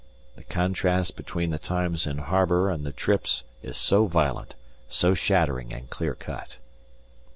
The contrast between the times in harbour and the trips is so violent, so shattering and clear cut.